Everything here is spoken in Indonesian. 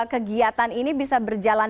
kegiatan ini bisa berjalan